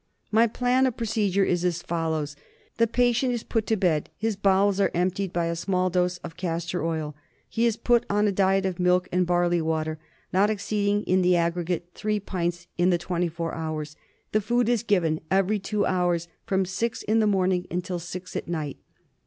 My plan of procedure is as follows :— The patient is put to bed. His bowels are emptied by a small dose of castor oil. He is put on a diet of milk and barley water, not exceeding in the aggregate three pints in the twenty four hours. The food is given every two hours from six in the morning until six at night.